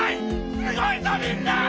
すごいぞみんな！